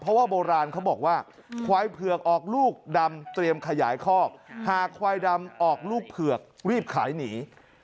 เพราะว่าโบราณเขาบอกว่าควายเผือกออกลูกดำเตรียมขยายคอกหากควายดำออกลูกเผือกรีบขายหนี